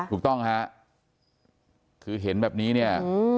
ถูกต้องฮะคือเห็นแบบนี้เนี่ย